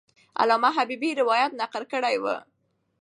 علامه حبیبي روایت نقل کړی وو.